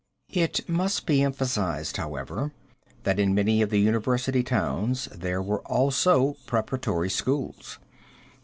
It must be emphasized, moreover, that in many of the university towns there were also preparatory schools.